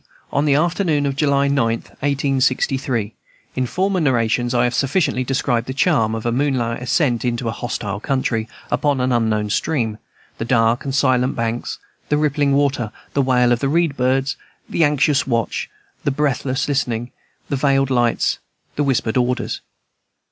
on the afternoon of July 9th, 1863. In former narrations I have sufficiently described the charm of a moonlight ascent into a hostile country, upon an unknown stream, the dark and silent banks, the rippling water, the wail of the reed birds, the anxious watch, the breathless listening, the veiled lights, the whispered orders.